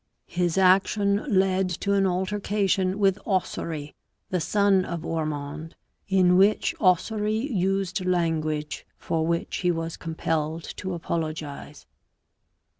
His action led to an altercation with Ossory, the son of Ormonde, in which Ossory used language for which he was compelled to apologize.